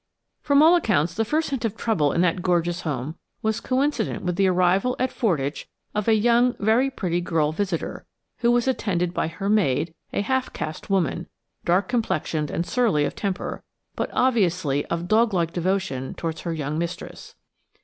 From all accounts, the first hint of trouble in that gorgeous home was coincident with the arrival at Fordwych of a young, very pretty girl visitor, who was attended by her maid, a half caste woman, dark complexioned and surly of temper, but obviously of dog like devotion towards her young mistress.